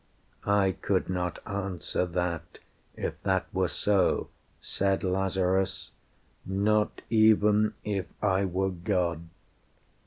"I could not answer that, if that were so," Said Lazarus, "not even if I were God.